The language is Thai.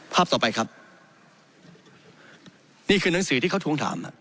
ภาพต่อไปครับนี่คือหนังสือที่เขาทวงถาม